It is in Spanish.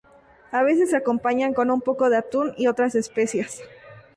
A veces se acompañan con un poco de atún y otras especias.